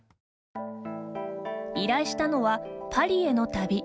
依頼したのは、パリへの旅。